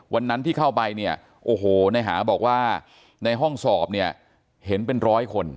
วันนั้นที่เข้าไปเนี่ยโอ้โหในหาบอกว่าในห้องสอบเนี่ยเห็นเป็นร้อยคน